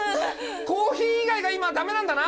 コーヒー以外が今ダメなんだな？